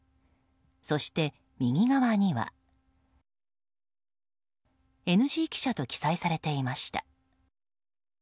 そして、右側にはＮＧ記者と記載されていました。